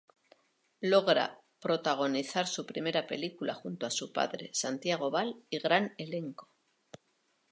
Logra protagonizar su primer película junto a su padre, Santiago Bal y gran elenco.